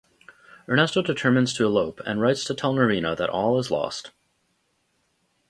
Ernesto determines to elope and writes to tell Norina that all is lost.